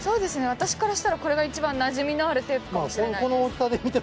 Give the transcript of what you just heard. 私からしたらこれがいちばんなじみのあるテープかもしれない。